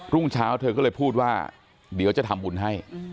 รุ่งเช้าเธอก็เลยพูดว่าเดี๋ยวจะทำบุญให้